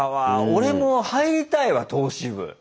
俺も入りたいわ投資部。